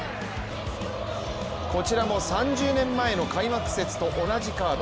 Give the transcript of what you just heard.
こちらも３０年前の開幕節と同じカード。